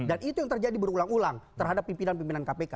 dan itu yang terjadi berulang ulang terhadap pimpinan pimpinan kpk